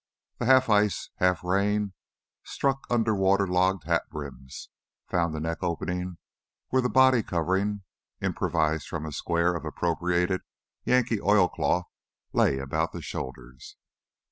The half ice, half rain struck under water logged hat brims, found the neck opening where the body covering, improvised from a square of appropriated Yankee oilcloth, lay about the shoulders.